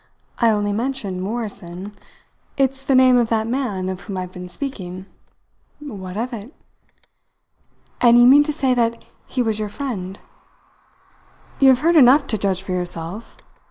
"I only mentioned Morrison. It's the name of that man of whom I've been speaking. What of it?" "And you mean to say that he was your friend?" "You have heard enough to judge for yourself.